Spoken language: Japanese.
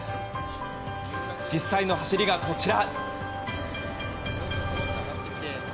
実際の走りがこちら。